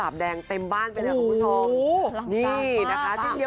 วัดเก่งอะไรอ่ะเนี่ย